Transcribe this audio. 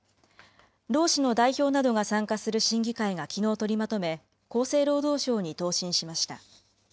労使の代表などが参加する審議会がきのう取りまとめ、厚生労働省に答申しました。